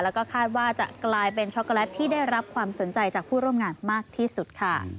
แล้วก็คาดว่าจะกลายเป็นช็อกโกแลตที่ได้รับความสนใจจากผู้ร่วมงานมากที่สุดค่ะ